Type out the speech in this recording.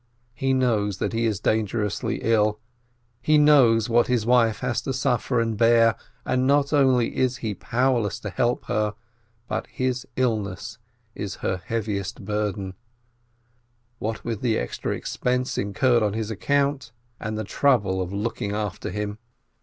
He knows that he is dangerously ill, he knows what his wife has to suffer and bear, and not only is he powerless to help her, but his illness is her heaviest burden, what with the extra expense incurred on his account and the trouble of looking after him.